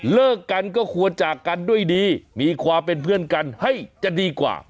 เลิกกันก็ควรจากกันด้วยดีมีความเป็นเพื่อนกันให้จะดีกว่า